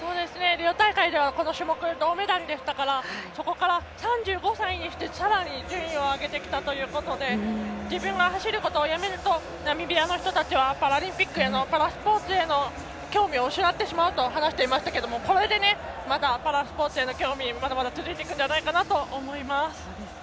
リオ大会ではこの種目、銅メダルでしたからここから３５歳にして、さらに順位を上げてきたということで自分が走ることをやめるとナミビアの人たちはパラリンピックへのパラスポーツへの興味を失ってしまうと話していましたけどもまたこれでパラスポーツへの興味まだまだ続いていくんじゃないかなと思います。